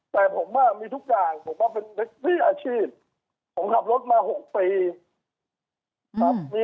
แต่ผมว่ามีทุกอย่างผมว่าเป็นเจ้าที่อาชีพผมขับรถมา๖ปี